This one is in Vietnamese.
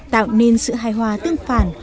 tạo nên sự hài hòa tương phản